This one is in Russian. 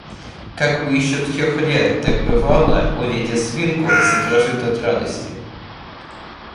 Как был еще трех лет, так, бывало, увидя свинку, задрожит от радости.